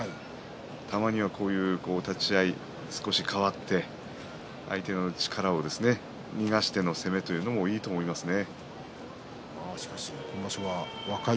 たまには、こういう立ち合い少し変わって相手の力を逃がしての攻めというのもいいと思いますね。